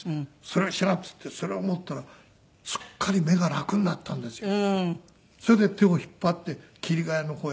それをしなっつってそれを持ったらすっかり目が楽になったんですよ。